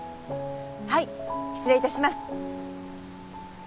はい失礼致します。